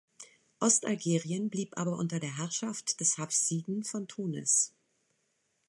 Ostalgerien blieb aber unter der Herrschaft der Hafsiden von Tunis.